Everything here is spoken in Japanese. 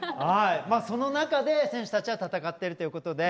その中で、選手たちは戦ってるということで。